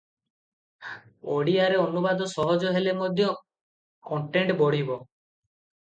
ଓଡ଼ିଆରେ ଅନୁବାଦ ସହଜ ହେଲେ ମଧ୍ୟ କଣ୍ଟେଣ୍ଟ ବଢ଼ିବ ।